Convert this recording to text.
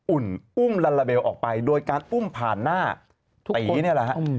อุ่นอุ้มลาลาเบลออกไปโดยการอุ้มผ่านหน้าตีเนี่ยแหละฮะ